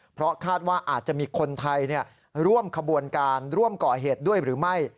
เพราะคาดว่าอาจจะมีคนไทยร่วมขบวนการร่วมก่อเหตุด้วยหรือไม่